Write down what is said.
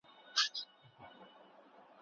سوسیالیستانو شخصي ملکیت لغوه کړی و.